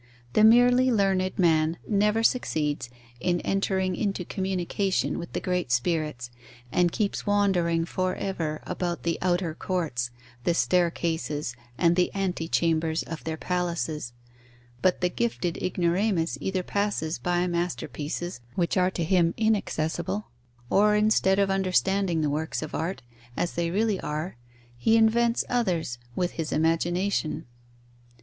The merely learned man never succeeds in entering into communication with the great spirits, and keeps wandering for ever about the outer courts, the staircases, and the antechambers of their palaces; but the gifted ignoramus either passes by masterpieces which are to him inaccessible, or instead of understanding the works of art, as they really are, he invents others, with his imagination.